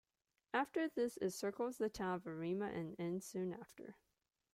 After this, it circles the town of Arima and ends soon after.